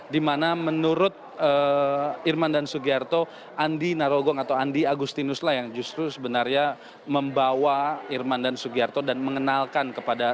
di mana menurut irman dan subagyong andi narogong atau andi agustinus lah yang justru sebenarnya membawa irman dan subagyong dan mengenalkan kepada